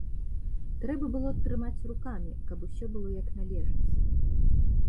Трэба было трымаць рукамі, каб усё было як належыць.